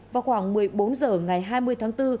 vào khoảng một mươi bốn h ngày hai mươi tháng bốn